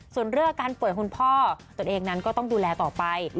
ส่วนเรื่องอาการป่วยคุณพ่อตัวเองนั้นก็ต้องดูแลต่อไป